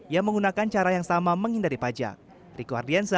yang menggunakan cara yang sama menghindari pajak